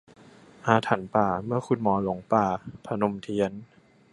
อาถรรพณ์ป่า : เมื่อคุณหมอหลงป่า - พนมเทียน